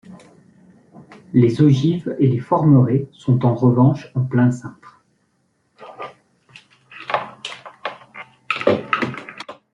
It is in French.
Les ogives et les formerets sont en revanche en plein cintre.